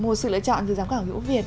một sự lựa chọn từ giám khảo vũ việt